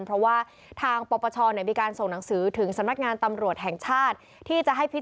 เพราะว่าทางปปชมีการส่งหนังสือถึงสมรรคงานตำรวจแห่งชาติ